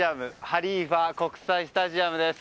ハリーファ国際スタジアムです。